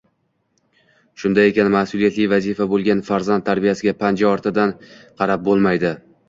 Shunday ekan, mas’uliyatli vazifa bo‘lgan farzand tarbiyasiga panja ortidan qarab bo‘lmaydi